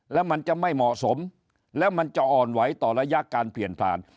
แล้วมันจะไม่เหมาะสมแล้วมันจะอ่อนไหวต่อระยะการเปลี่ยนผ่าน